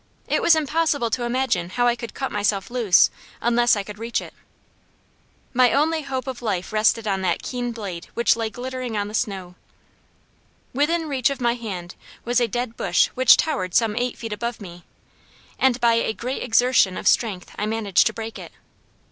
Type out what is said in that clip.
It was impossible to imagine how I could cut myself loose unless I could reach it. My only hope of life rested on that keen blade which lay glittering on the snow. Within reach of my hand was a dead bush which towered some eight feet above me, and by a great exertion of strength I managed to break it.